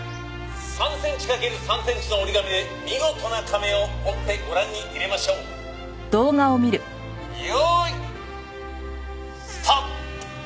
「３センチかける３センチの折り紙で見事な亀を折ってご覧に入れましょう」「用意スタート」